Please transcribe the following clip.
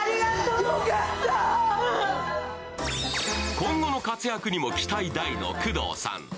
今後の活躍にも期待大の工藤さん。